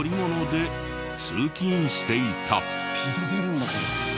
このスピード出るんだこれ。